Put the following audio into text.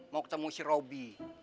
mau ketemu si roby